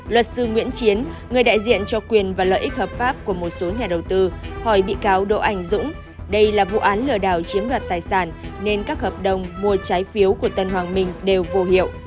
luật sư nguyễn chiến người đại diện cho quyền và lợi ích hợp pháp của một số nhà đầu tư hỏi bị cáo đỗ anh dũng đây là vụ án lừa đảo chiếm đoạt tài sản nên các hợp đồng mua trái phiếu của tân hoàng minh đều vô hiệu